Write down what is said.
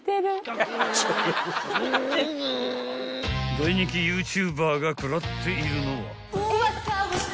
［大人気ＹｏｕＴｕｂｅｒが食らっているのは］